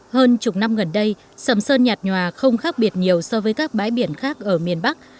hơn chục năm gần đây sầm sơn nhạt nhòa không khác biệt nhiều so với các bãi biển khác ở miền bắc